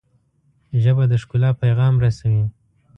ژبه د ښکلا پیغام رسوي